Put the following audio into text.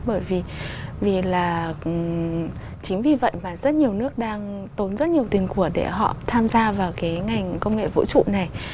bởi vì là chính vì vậy mà rất nhiều nước đang tốn rất nhiều tiền của để họ tham gia vào cái ngành công nghệ vũ trụ này